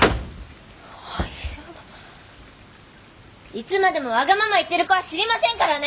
いつまでもわがまま言ってる子は知りませんからね！